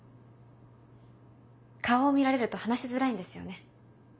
顔を見られると話しづらいんですよね。